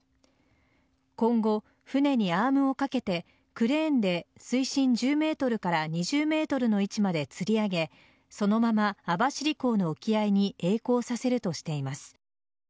今後船にアームをかけて、クレーンで水深１０ｍから２０ｍの位置までつり上げそのまま網走港の沖合にえい航させるとしています。